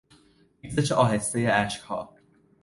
ریزش آهستهی اشکها